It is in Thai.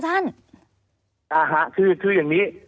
ครับเอาที่ก็อย่างนี้